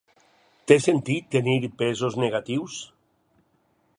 Té sentit tenir pesos negatius?